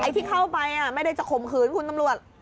ที่เข้าไปไม่ได้จะข่มขืนคุณตำรวจ